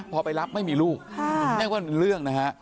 พอไปรับไม่มีลูกนั่นก็เป็นเรื่องนะฮะ